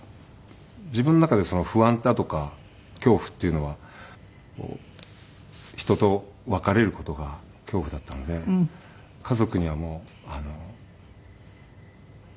自分の中で不安だとか恐怖っていうのは人と別れる事が恐怖だったので家族にはもうなんだろうな。